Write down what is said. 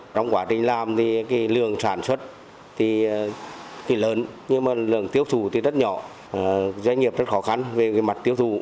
trong quá trình làm thì lường sản xuất thì lớn nhưng mà lượng tiêu thụ thì rất nhỏ doanh nghiệp rất khó khăn về mặt tiêu thụ